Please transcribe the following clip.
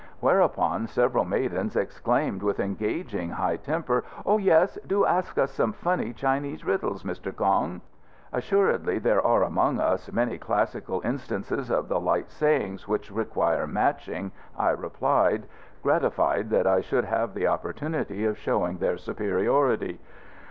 Whereupon several maidens exclaimed with engaging high temper, "Oh yes; do ask us some funny Chinese riddles, Mr. Kong!" "Assuredly there are among us many classical instances of the light sayings which require matching," I replied, gratified that I should have the opportunity of showing their superiority.